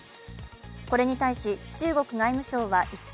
これに対し、中国外務省は５日、